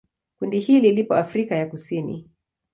Kundi hili lipo Afrika ya Kusini.